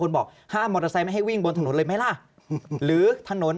คุณบอกห้ามมอเตอร์ไซค์ไม่ให้วิ่งบนถนนเลยไหมล่ะหรือถนน